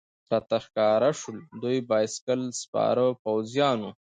راته ښکاره شول، دوی بایسکل سپاره پوځیان و.